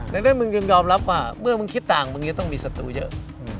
ดังนั้นมึงยังยอมรับว่าเมื่อมึงคิดต่างมึงจะต้องมีศัตรูเยอะ